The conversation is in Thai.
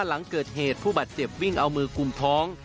หลังเกิดเหตุผู้บาดเจ็บวิ่งเอามือกลุ่มท้อง